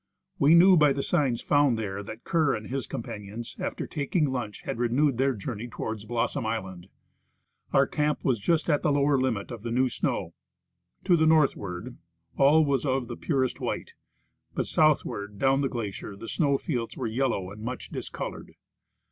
We knew by the signs found there that Kerr and his companions, after taking lunch, had renewed their journey toward Blossom island. Our camp was just at the lower limit of the new snow. To the northward all was of the purest white, but southward, down the glacier, the snow fields were yellow and much discolored.